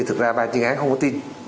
thực ra ba chiến án không có tin